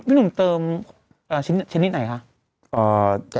พี่หนุ่มเติมชิ้นนี้ไหนฮะ